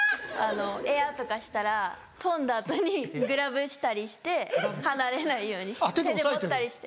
エアーとかしたら飛んだ後にグラブしたりして離れないように手で持ったりして。